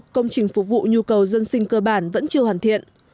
công trình phục vụ nhu cầu dân sinh cơ bản vẫn chưa hoàn thiện